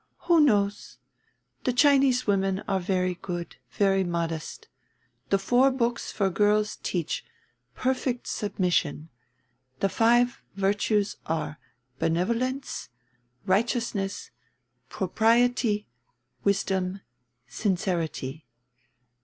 Who knows! The Chinese women are very good, very modest. The Four Books For Girls teach perfect submission; the five virtues are benevolence, righteousness, propriety, wisdom, sincerity.